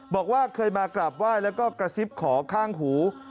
บอกว่าเคยมากราบไหว้แล้วก็กระซิบขอข้างหู